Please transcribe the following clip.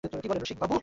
কী বলেন রসিকবাবু?